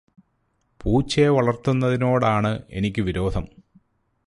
പൂച്ചയെ വളർത്തുന്നതിനോടാണ് എനിക്ക് വിരോധം.